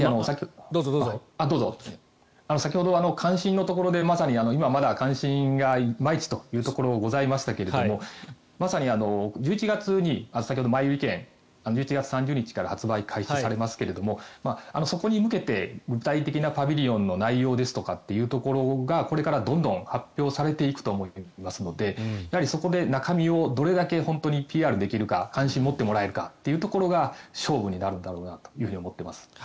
先ほど関心のところで今はまだ関心がいまいちというところがございましたがまさに１１月に先ほど前売り券１１月３０日から発売開始されますがそこに向けて具体的なパビリオンの内容ですとかというところがこれからどんどん発表されていくと思いますのでそこで中身をどれだけ本当にＰＲできるか関心を持ってもらえるかというところが勝負になってくると思います。